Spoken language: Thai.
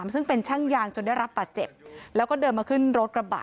ซึ่งเป็นช่างยางจนได้รับบาดเจ็บแล้วก็เดินมาขึ้นรถกระบะ